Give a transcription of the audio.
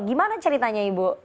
gimana ceritanya ibu